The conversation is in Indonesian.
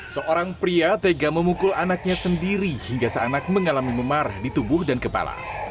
seorang pria tega memukul anaknya sendiri hingga seanak mengalami memarah di tubuh dan kepala